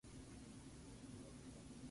ਇਉਂ ਨਿੱਤ ਨਵੀਂ ਤਾਕਤ ਪੈਦਾ ਹੋਣੀ